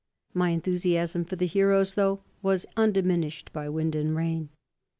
My enthusiasm for the heroes though was undiminished by wind and wave.